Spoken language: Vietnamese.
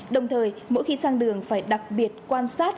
đồng thời mỗi khi sang đường phải đặc biệt quan sát